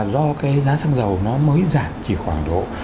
do cái giá xăng dầu nó mới giảm chỉ khoảng độ